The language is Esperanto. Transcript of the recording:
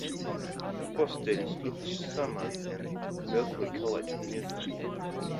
Poste li ŝtudis saman en "Berkelee College of Music".